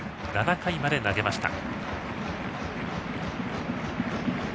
７回まで投げました。